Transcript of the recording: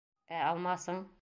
Ә Алмасың?